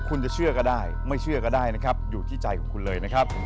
คุณจะเชื่อก็ได้ไม่เชื่อก็ได้นะครับอยู่ที่ใจของคุณเลยนะครับ